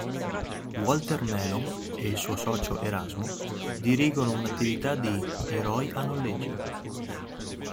Walter Melon e il suo socio Erasmo dirigono un'attività di "Eroi a noleggio".